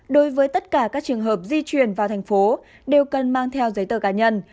đối với tất cả các trường hợp di chuyển vào thành phố đều cần mang theo giấy tờ cá nhân